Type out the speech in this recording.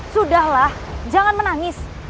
sudahlah jangan menangis